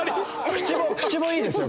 口も口もいいですよ。